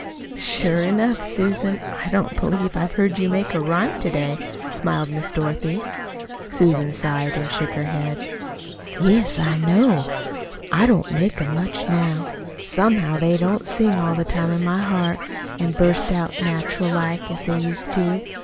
"Sure enough, Susan! I don't believe I've heard you make a rhyme to day," smiled Miss Dorothy. Susan sighed and shook her head. "Yes, I know. I don't make 'em much now. Somehow they don't sing all the time in my heart, an' burst out natural like, as they used to.